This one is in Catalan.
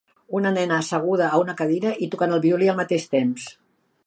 Una nena asseguda a una cadira i tocant el violí al mateix temps.